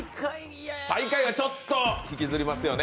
最下位はちょっと引きずりますよね。